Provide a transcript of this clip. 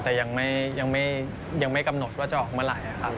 แต่ยังไม่กำหนดว่าจะออกมาหลายครับ